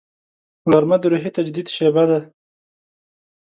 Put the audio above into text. غرمه د روحي تجدید شیبه ده